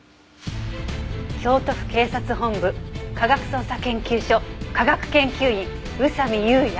「京都府警察本部科学捜査研究所化学研究員宇佐見裕也」